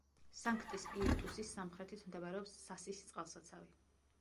სანქტი-სპირიტუსის სამხრეთით მდებარეობს სასის წყალსაცავი.